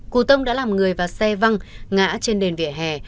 cụ tông đã làm người và xe văng ngã trên đền phía hè